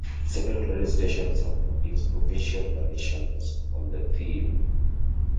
Several radio stations have produced provincial variations on the theme.